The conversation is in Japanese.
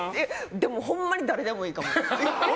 でもほんまに誰でもいいかも。